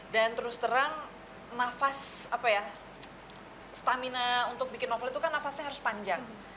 dan terus terang nafas apa ya stamina untuk bikin novel itu kan nafasnya harus panjang